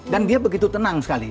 dan dia begitu tenang sekali